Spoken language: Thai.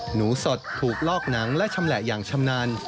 หนูสดถูกลอกหนังและชำแหละอย่างชำนาญ